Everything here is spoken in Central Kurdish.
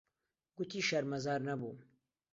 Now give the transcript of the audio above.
گوتی شەرمەزار نەبووم.